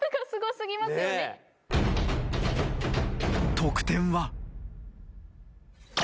得点は？